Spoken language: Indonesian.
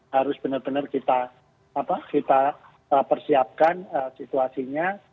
harus benar benar kita persiapkan situasinya